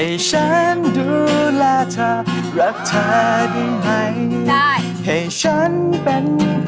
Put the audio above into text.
ลองเข้าไปอีกลองเข้าไปอีก